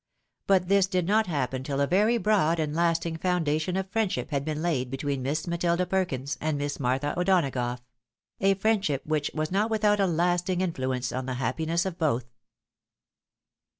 But this did not happen till a very broad and lasting foundation of friendship had been laid between Miss Matilda Perkins and Miss Martha O'Donagough — a friendship which was not without a lasting influence on the happiness of both.